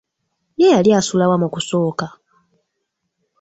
Ye yali asula wa mu kusooka?